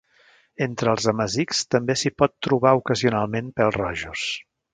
Entre els amazics també s'hi pot trobar ocasionalment pèl-rojos.